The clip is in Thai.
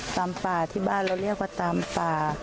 ตามป่าที่บ้านเราเรียกว่าตามป่า